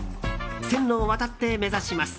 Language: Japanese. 線路を渡って目指します。